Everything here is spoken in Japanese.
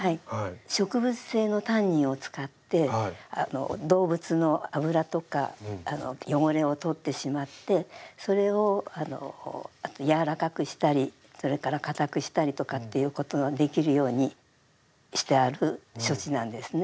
植物性のタンニンを使って動物の脂とか汚れを取ってしまってそれを柔らかくしたりそれから硬くしたりとかっていうことのできるようにしてある処置なんですね。